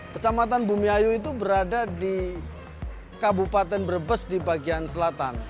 kecamatan bumiayu itu berada di kabupaten brebes di bagian selatan